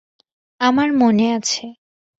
আমার মনে আছে।